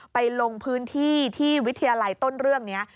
ลงพื้นที่ที่วิทยาลัยต้นเรื่องนี้